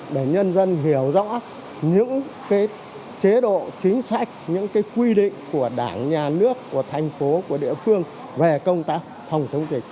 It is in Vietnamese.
để nhân dân hiểu rõ những chế độ chính sách những quy định của đảng nhà nước của thành phố của địa phương về công tác phòng chống dịch